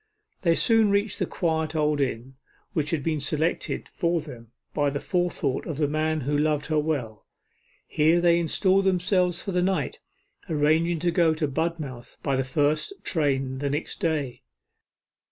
They soon reached the quiet old inn, which had been selected for them by the forethought of the man who loved her well. Here they installed themselves for the night, arranging to go to Budmouth by the first train the next day.